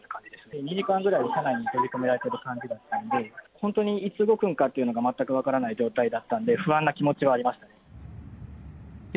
２時間ぐらい車両に閉じ込められてる感じだったので、本当にいつ動くんかっていうのが全く分からない状態だったんで、不安な気持ちはありましたね。